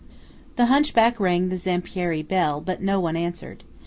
The hunchback rang the Zampieri bell; but no one answered.